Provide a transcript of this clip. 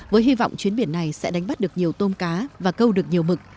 với hy vọng chuyến biển này sẽ đánh bắt được nhiều tôm cá và câu được nhiều mực